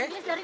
itu apa pak